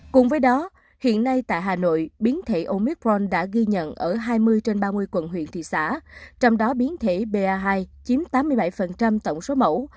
cùng với đó hiện nay tại hà nội biến thể omicron đã ghi nhận ở hai mươi trên ba mươi quận huyện thị xã trong đó biến thể ba hai chiếm tám mươi bảy tổng số mẫu